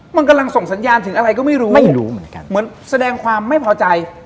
มันกำลังส่งสัญญาณถึงอะไรก็ไม่รู้ไม่รู้เหมือนกันเหมือนแสดงความไม่พอใจ